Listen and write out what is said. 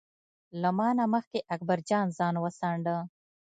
له ما نه مخکې اکبر جان ځان وڅانډه.